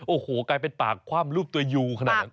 โอ้โหกลายเป็นปากคว่ำรูปตัวยูขนาดนั้น